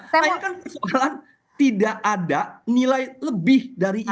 tapi kan kesoalan tidak ada nilai lebih dari itu